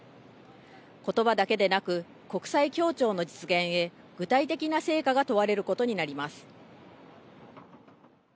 ことばだけでなく国際協調の実現へ具体的な成果が問われることになります。